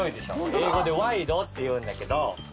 英語でワイドって言うんだけど。